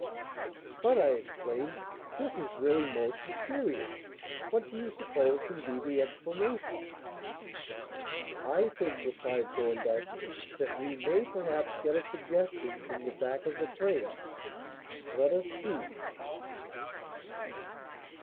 "But," I exclaimed, "this is really most mysterious. What do you suppose can be the explanation?" "I think," replied Thorndyke, "that we may perhaps get a suggestion from the back of the frame. Let us see."